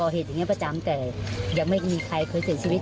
เหมือนเมายาบ้าอะไรอย่างนี้ประจำเลย